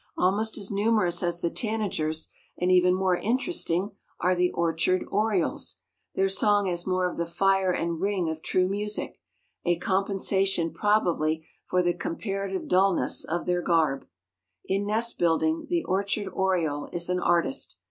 Almost as numerous as the tanagers, and even more interesting, are the orchard orioles. Their song has more of the fire and ring of true music, a compensation probably for the comparative dullness of their garb. In nest building the orchard oriole is an artist.